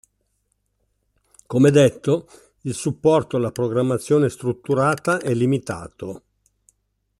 Come detto, il supporto alla programmazione strutturata è limitato.